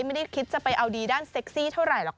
ไม่ได้คิดจะไปเอาดีด้านเซ็กซี่เท่าไหรหรอกค่ะ